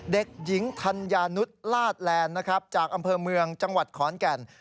เด็กหญิงธัญญานุษย์ลาดแลนด์นะครับจากอำเภอเมืองจังหวัดขอนแก่น